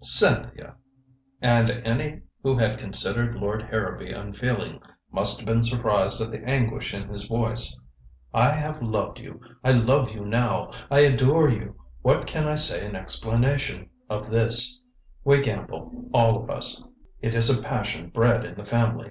"Cynthia!" And any who had considered Lord Harrowby unfeeling must have been surprised at the anguish in his voice. "I have loved you I love you now. I adore you. What can I say in explanation of this. We gamble, all of us it is a passion bred in the family.